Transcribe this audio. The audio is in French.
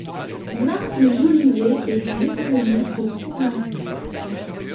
Marc Jolivet est un écologiste convaincu.